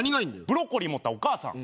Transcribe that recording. ブロッコリー持ったお母さん。